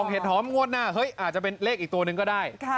เห็ดหอมงวดหน้าเฮ้ยอาจจะเป็นเลขอีกตัวหนึ่งก็ได้